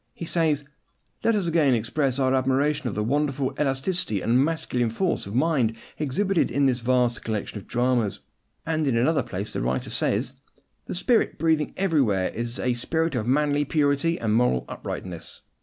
He says, "Let us again express our admiration of the wonderful elasticity and masculine force of mind exhibited in this vast collection of dramas;" and in another place the writer says, "The spirit breathing everywhere is a spirit of manly purity and moral uprightness."